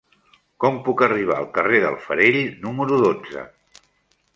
Com puc arribar al carrer del Farell número dotze?